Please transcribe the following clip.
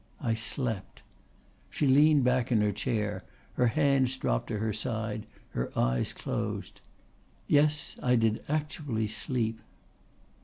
I slept." She leaned back in her chair, her hands dropped to her side, her eyes closed. "Yes I did actually sleep."